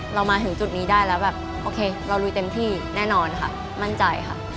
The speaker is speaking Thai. มาถึงจุดนี้ได้แล้วแบบโอเคเราลุยเต็มที่แน่นอนค่ะมั่นใจค่ะ